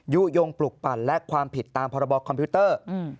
ยุโยงปลุกปั่นและความผิดตามพรบคอมพิวเตอร์